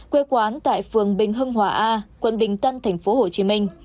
quê quán tại phường bình hưng hòa a quận bình tân tp hcm